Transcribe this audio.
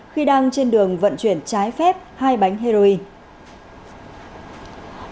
khi đang trên đường vận chuyển trái phép hai bánh heroin